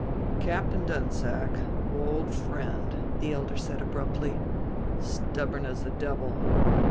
"Captain Dunsack... old friend," the elder said abruptly. "Stubborn as the devil.